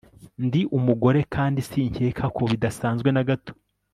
Ndi umugore kandi sinkeka ko bidasanzwe na gato